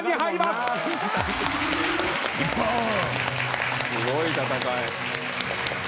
すごい戦い。